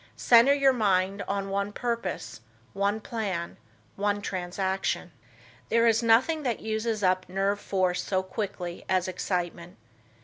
Center your mind on one purpose, one plan, one transaction. There is nothing that uses up nerve force so quickly as excitement.